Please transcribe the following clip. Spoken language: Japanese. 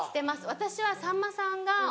私はさんまさんがお祝い。